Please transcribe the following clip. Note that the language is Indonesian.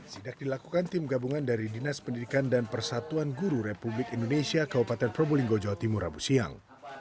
sidak dilakukan tim gabungan dari dinas pendidikan dan persatuan guru republik indonesia kabupaten probolinggo jawa timur rabu siang